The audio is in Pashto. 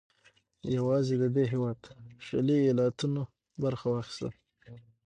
یوازې د دې هېواد شلي ایالتونو برخه واخیسته.